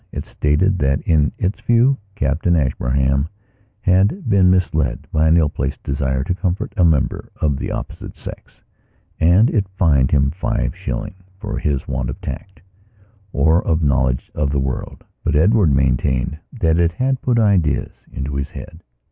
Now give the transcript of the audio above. It stated that in its view Captain Ashburnham had been misled by an ill placed desire to comfort a member of the opposite sex, and it fined him five shilling for his want of tact, or of knowledge of the world. But Edward maintained that it had put ideas into his head.